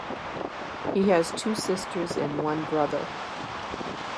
He has two sisters and one brother.